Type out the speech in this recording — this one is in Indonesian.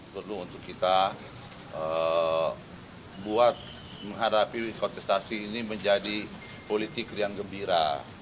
perlu untuk kita buat menghadapi kontestasi ini menjadi politik yang gembira